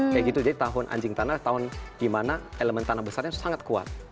kayak gitu jadi tahun anjing tanah tahun di mana elemen tanah besarnya sangat kuat